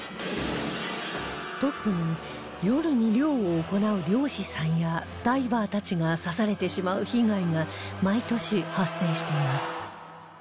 特に夜に漁を行う漁師さんやダイバーたちが刺されてしまう被害が毎年発生しています